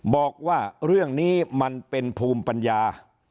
บอกว่าเรื่องนี้มันเป็นภูมิปัญญา